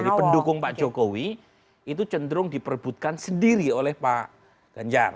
jadi pendukung pak jokowi itu cenderung diperbutkan sendiri oleh pak ganjar